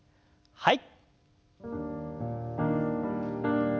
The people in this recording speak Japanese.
はい。